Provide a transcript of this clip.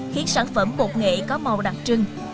khiến sản phẩm bột nghệ có màu đặc trưng